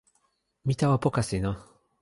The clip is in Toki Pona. mi tawa poka sina.